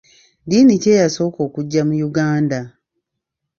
Ddiini ki eyasooka okujja mu Uganda?